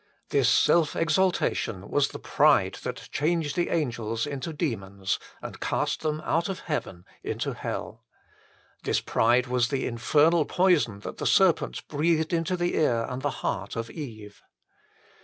This self exaltation was the pride that changed the angels into demons and cast them out of heaven into hell. This pride was the infernal poison that the serpent breathed into the ear and the heart of Eve.